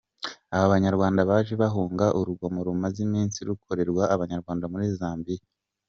Aba Banyarwanda baje bahunga urugomo rumaze iminsi rukorerwa Abanyarwanda muri Zambia.